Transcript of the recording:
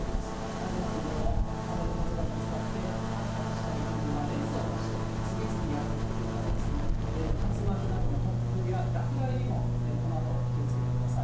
なぜかというと、風と風がぶつかって、発達した雪雲が列をなして、次々やって来ているからですね。竜巻などの突風や落雷にもこのあと、気をつけてください。